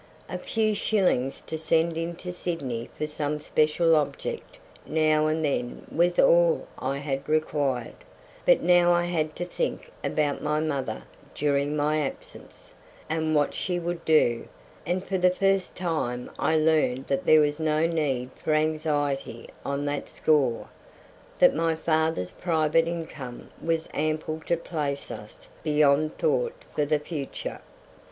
A few shillings to send into Sydney for some special object now and then was all I had required; but now I had to think about my mother during my absence, and what she would do, and for the first time I learned that there was no need for anxiety on that score; that my father's private income was ample to place us beyond thought for the future.